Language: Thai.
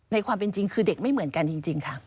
ความเป็นจริงคือเด็กไม่เหมือนกันจริงค่ะ